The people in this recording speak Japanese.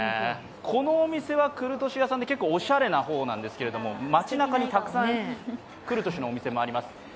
このお店はクルトシュ屋さんでおしゃれな方なんですけれども街なかにたくさんクルトシュのお店もあります